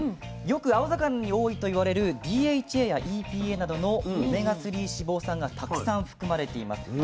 よく青魚に多いと言われるＤＨＡやＥＰＡなどのオメガ３脂肪酸がたくさん含まれています。